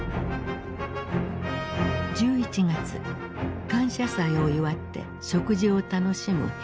１１月感謝祭を祝って食事を楽しむ兵士たち。